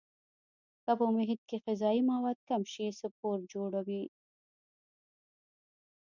که په محیط کې غذایي مواد کم شي سپور جوړوي.